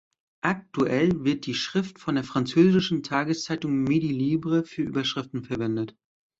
Aktuell wird die Schrift von der französischen Tageszeitung Midi Libre für Überschriften verwendet.